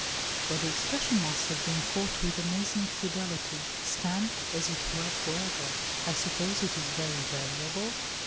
But the expression must have been caught with amazing fidelity. Stamped, as it were, for ever. I suppose it is very valuable?"